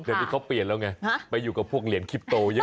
เดี๋ยวนี้เขาเปลี่ยนแล้วไงไปอยู่กับพวกเหรียญคิปโตเยอะ